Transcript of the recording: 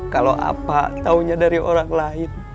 kalau apa taunya dari orang lain